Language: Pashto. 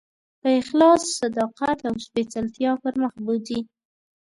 په اخلاص، صداقت او سپېڅلتیا پر مخ بوځي.